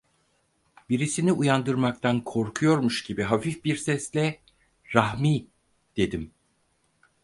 Birisini uyandırmaktan korkuyormuş gibi hafif bir sesle: "Rahmi!" dedim.